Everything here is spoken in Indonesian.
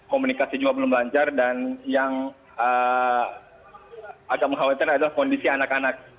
komunikasi juga belum lancar dan yang agak mengkhawatirkan adalah kondisi anak anak